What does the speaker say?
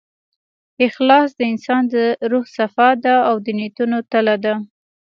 اخلاص د انسان د روح صفا ده، او د نیتونو تله ده.